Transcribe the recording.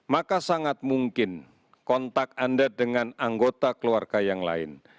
maka sangat mungkin kontak anda dengan anggota keluarga yang lain